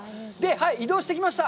移動してきました。